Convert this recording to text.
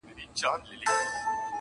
چي زه ویښ وم که ویده وم-